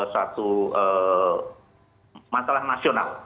satu masalah nasional